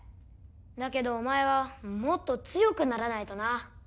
だけどお前はもっと強くならないとな。